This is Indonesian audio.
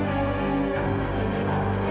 bayi banyak sekali